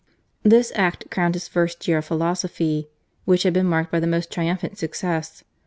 This act crowned his first year of philosophy, which had been marked by the most triumphant success.